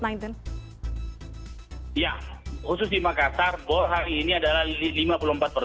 ya khusus di makassar